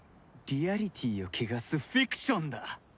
リアリティーを汚すフィクションだ。